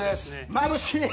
まぶしい。